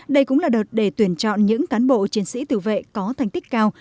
đây cũng là đợt để tuyển chọn những cán bộ chiến sĩ tự vệ có thành tích cao